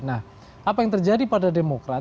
nah apa yang terjadi pada demokrat